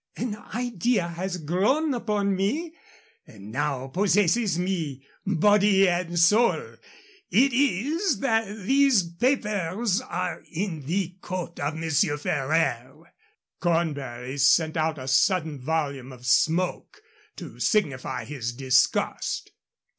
An idea has grown upon me, and now possesses me body and soul. It is that these papers are in the coat of Monsieur Ferraire." Cornbury sent out a sudden volume of smoke to signify his disgust.